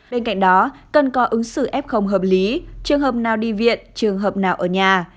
bên cạnh đó cần có ứng xử f hợp lý trường hợp nào đi viện trường hợp nào ở nhà